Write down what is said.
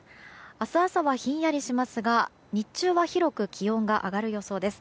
明日朝はひんやりしますが日中は広く気温が上がる予想です。